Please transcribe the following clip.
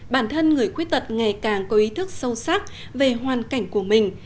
bản thân người khuyết tật ngày càng có ý thức sâu sắc về hoàn cảnh của mình